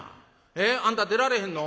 えあんた出られへんの？